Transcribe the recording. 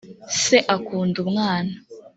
se akunda umwana